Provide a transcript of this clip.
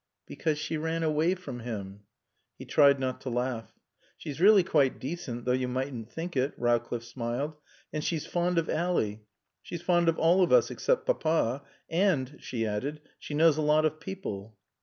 "Because she ran away from him." He tried not to laugh. "She's really quite decent, though you mightn't think it." Rowcliffe smiled. "And she's fond of Ally. She's fond of all of us except Papa. And," she added, "she knows a lot of people."